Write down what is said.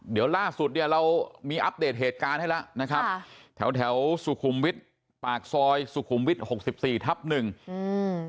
เดี๋ยวล่าสุดเนี่ยเรามีอัปเดตเหตุการณ์ให้แล้วนะครับค่ะแถวแถวสุขุมวิทย์ปากซอยสุขุมวิทย์หกสิบสี่ทับหนึ่งอืม